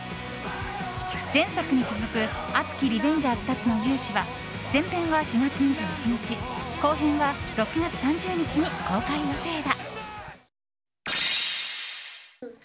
前作に続く熱きリベンジャーズたちの雄姿は前編は４月２１日後編は６月３０日に公開予定だ。